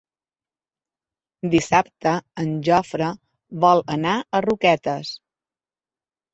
Dissabte en Jofre vol anar a Roquetes.